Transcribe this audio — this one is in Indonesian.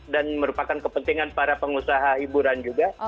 dan merupakan kepentingan para pengusaha hiburan juga